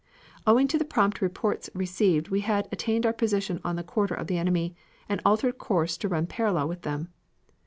Owing to the prompt reports received we had attained our position on the quarter of the enemy, and altered course to run parallel to them.